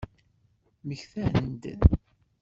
Mmektant-d?